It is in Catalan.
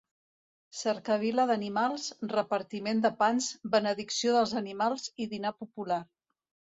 Cercavila d'animals, repartiment de pans, benedicció dels animals i dinar popular.